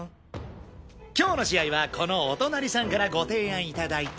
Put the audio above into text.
今日の試合はこのお隣さんからご提案頂いて。